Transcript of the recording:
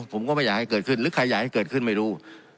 ผมก็ไม่อยากให้เกิดขึ้นหรือใครอยากให้เกิดขึ้นไม่รู้